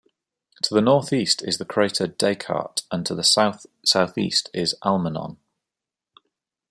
To the northeast is the crater Descartes, and to the south-southeast is Almanon.